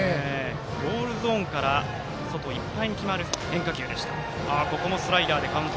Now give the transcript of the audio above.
ボールゾーンから外角いっぱいで決まるストライクでした。